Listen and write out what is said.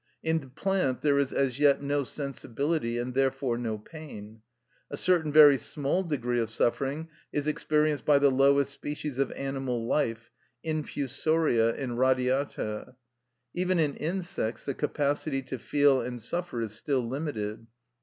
In the plant there is as yet no sensibility, and therefore no pain. A certain very small degree of suffering is experienced by the lowest species of animal life—infusoria and radiata; even in insects the capacity to feel and suffer is still limited.